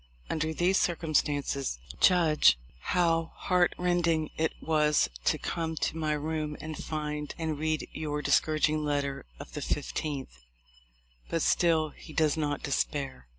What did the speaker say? Under these circumstances judge how heart rending it was to come to my room and find and read your discouraging letter of the 15th." But still he does not despair.